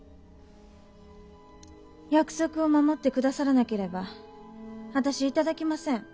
約束を守って下さらなければ私頂きません。